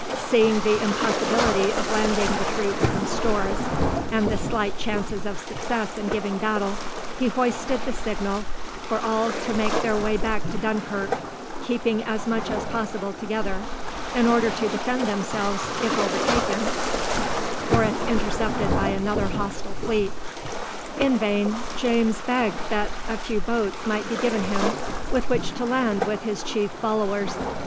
Seeing the impossibility of landing the troops and stores, and the slight chances of success in giving battle, he hoisted the signal for all to make their way back to Dunkirk, keeping as much as possible together, in order to defend themselves if overtaken, or if intercepted by another hostile fleet. In vain, James begged that a few boats might be given him, with which to land with his chief followers.